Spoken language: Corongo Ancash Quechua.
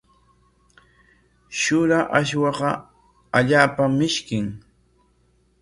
Shura aswaqa allaapam mishkin.